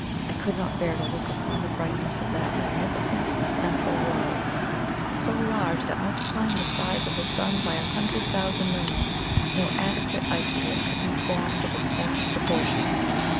I could not bear to look upon the brightness of that magnificent central World so large that multiplying the size of the sun by a hundred thousand millions, no adequate idea could be formed of its vast proportions.